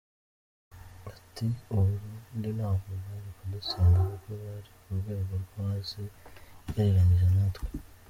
Ati “U Burundi ntabwo bwari kudutsinda kuko bari ku rwego rwo hasi igereranyije natwe.